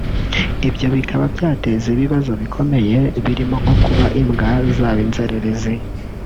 ibyo bikaba byateza ibibazo bikomeye birimo nko kuba imbwa zaba inzererezi